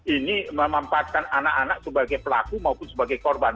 ini memampatkan anak anak sebagai pelaku maupun sebagai korban